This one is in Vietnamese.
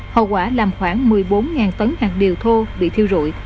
hậu quả làm khoảng một mươi bốn tấn hàng điều thô bị thiêu rụi